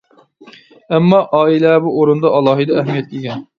ئەمما، ئائىلە بۇ ئورۇندا ئالاھىدە ئەھمىيەتكە ئىگە.